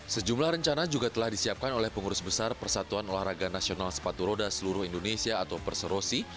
sejumlah rencana juga telah disiapkan oleh pengurus besar persatuan olahraga nasional sepatu roda seluruh indonesia atau perserosi